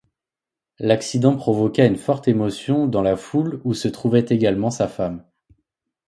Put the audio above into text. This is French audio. L'accident provoqua une forte émotion dans la foule où se trouvait également sa femme.